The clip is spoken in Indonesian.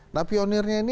nah pionirnya ini